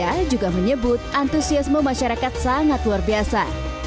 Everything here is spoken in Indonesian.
dia juga menyebut antusiasme masyarakat sangat luar biasa